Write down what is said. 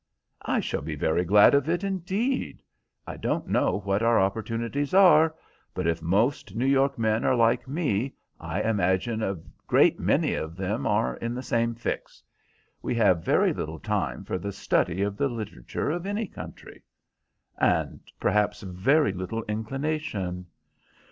"I shall be very glad of it indeed. I don't know what our opportunities are, but if most New York men are like me I imagine a great many of them are in the same fix. We have very little time for the study of the literature of any country." "And perhaps very little inclination."